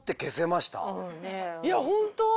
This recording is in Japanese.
いやホント。